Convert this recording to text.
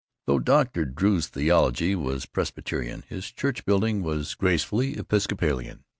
Though Dr. Drew's theology was Presbyterian, his church building was gracefully Episcopalian.